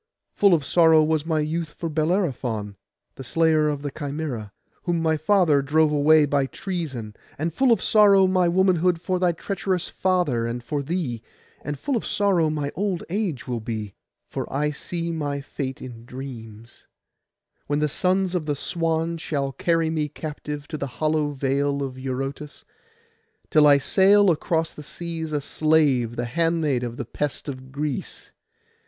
Full of sorrow was my youth for Bellerophon, the slayer of the Chimæra, whom my father drove away by treason; and full of sorrow my womanhood, for thy treacherous father and for thee; and full of sorrow my old age will be (for I see my fate in dreams), when the sons of the Swan shall carry me captive to the hollow vale of Eurotas, till I sail across the seas a slave, the handmaid of the pest of Greece.